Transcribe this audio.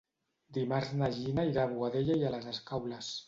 Dimarts na Gina irà a Boadella i les Escaules.